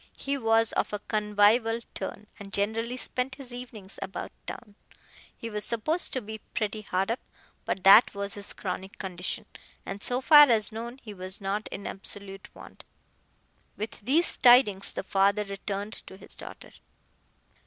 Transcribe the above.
He was of a convivial turn, and generally spent his evenings about town. He was supposed to be pretty hard up, but that was his chronic condition, and, so far as known, he was not in absolute want. With these tidings the father returned to his daughter.